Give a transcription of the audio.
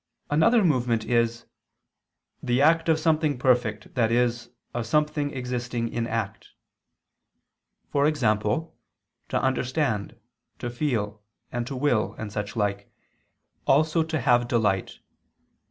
Another movement is "the act of something perfect, i.e. of something existing in act," e.g. to understand, to feel, and to will and such like, also to have delight.